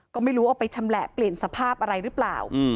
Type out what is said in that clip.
ก็ไม่รู้เอาไปชำแหละเปลี่ยนสภาพอะไรหรือเปล่า